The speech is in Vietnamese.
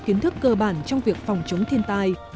kiến thức cơ bản trong việc phòng chống thiên tai